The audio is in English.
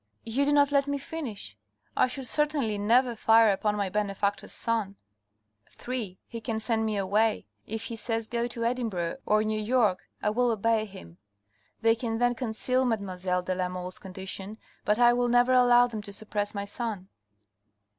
" You do not let me finish. I should certainly never fire upon my benefactor's son. (3) He can send me away. If he says go to Edinburgh or New York, I will obey him. They can then conceal mademoiselle de la Mole's condition, but I will never allow them to suppress my son."